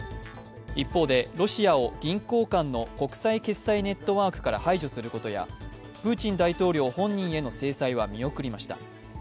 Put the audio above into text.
一方で、ロシアを銀行間の国際決済ネットワークから排除することやプーチン大統領本人への制裁は見送りました。